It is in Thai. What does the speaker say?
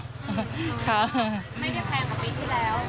ไม่ได้แพงของปีที่แล้ว